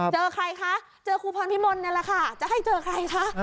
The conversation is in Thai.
เจอใครคะเจอครูพรพิมลนี่แหละค่ะจะให้เจอใครคะ